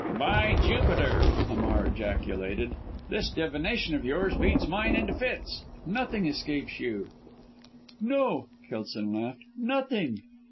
"By Jupiter!" Hamar ejaculated, "this divination of yours beats mine into fits nothing escapes you!" "No!" Kelson laughed, "nothing!